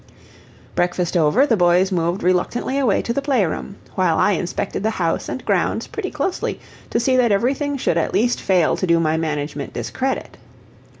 Breakfast over, the boys moved reluctantly away to the play room, while I inspected the house and grounds pretty closely, to see that everything should at least fail to do my management discredit.